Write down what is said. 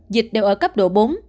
dịch đều ở cấp độ bốn